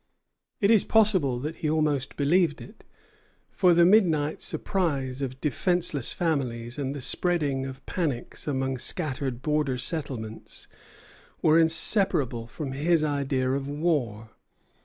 It is possible that he almost believed it; for the midnight surprise of defenceless families and the spreading of panics among scattered border settlements were inseparable from his idea of war.